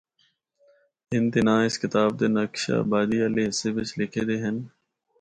ان دے ناں اس کتاب دے نقشہ آبادی آلے حصے بچ لِکھے دے ہن۔